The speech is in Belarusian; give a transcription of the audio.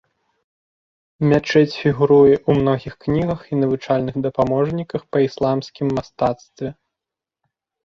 Мячэць фігуруе ў многіх кнігах і навучальных дапаможніках па ісламскім мастацтве.